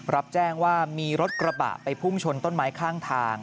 รับแจ้งว่ามีรถกระบะไปพุ่งชนต้นไม้ข้างทาง